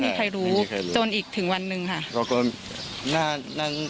ไม่มีใครรู้จนอีกถึงวันนึงค่ะ